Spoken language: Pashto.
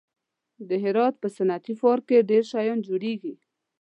د هرات په صنعتي پارک کې ډېر شیان جوړېږي.